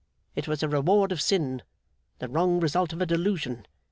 It was a rewarding of sin; the wrong result of a delusion.